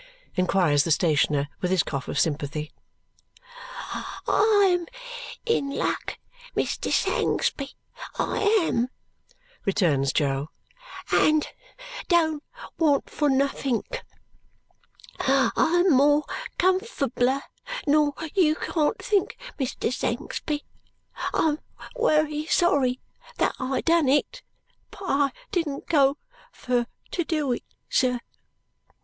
inquires the stationer with his cough of sympathy. "I am in luck, Mr. Sangsby, I am," returns Jo, "and don't want for nothink. I'm more cumfbler nor you can't think. Mr. Sangsby! I'm wery sorry that I done it, but I didn't go fur to do it, sir."